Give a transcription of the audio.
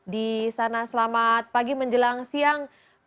di sana selamat pagi menjelang siang